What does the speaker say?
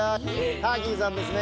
ターキーさんですね